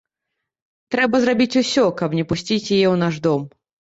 Трэба зрабіць усё, каб не пусціць яе ў наш дом.